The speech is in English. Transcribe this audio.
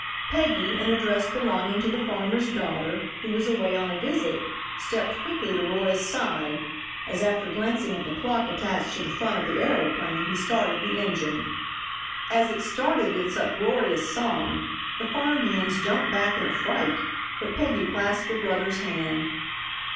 Peggy, in a dress belonging to the farmer's daughter, who was away on a visit, stepped quickly to Roy's side as, after glancing at the clock attached to the front of the aeroplane, he started the engine. As it started its uproarious song, the farm hands jumped back in affright. But Peggy clasped her brother's hand.